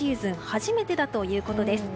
初めてだということです。